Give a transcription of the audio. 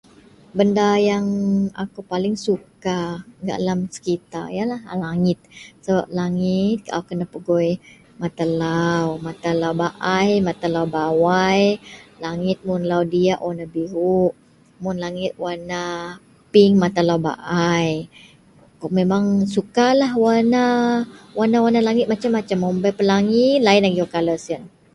Benda yang akou paling suka gak alam sekitar ialah langit, langit akou kena pegui matalau, matalau baai matalau bawai, langit mun lau diyak warna biruok mun langit warna pink matalau baai akou memang suka lah warna aa warna-warna langit masem-masem mun bei pelangi lain agei kala (colour) siyen.